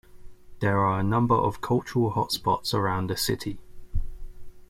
There are a number of cultural hot spots around the city.